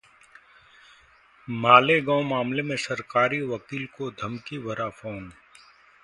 मालेगांव मामले में सरकारी वकील को धमकी भरा फोन